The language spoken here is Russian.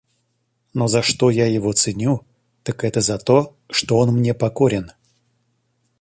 Но за что я его ценю, так это за то, что он мне покорен.